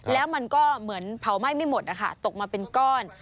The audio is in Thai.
แล้วมันก็เหมือนเผาไหม้ไม่หมดนะคะตกมาเป็นก้อน